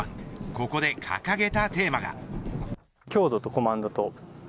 ここで掲げたテーマが。